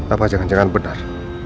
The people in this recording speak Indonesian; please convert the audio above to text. apa jangan jangan benar